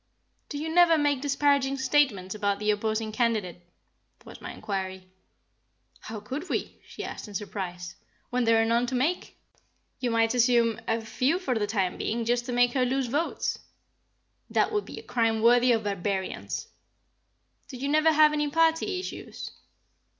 "Do you never make disparaging statements about the opposing candidate?" was my inquiry. "How could we?" she asked in surprise, "when there are none to make." "You might assume a few for the time being; just to make her lose votes." "That would be a crime worthy of barbarians." "Do you never have any party issues?"